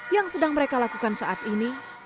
yang sedang mereka lakukan saat ini